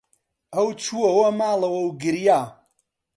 ئەو چووەوە ماڵەوە و گریا.